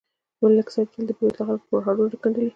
ملک صاحب تل د بېوزلو خلکو پرهارونه گنډلي